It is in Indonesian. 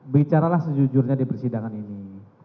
bicaralah sejujurnya di persidangan ini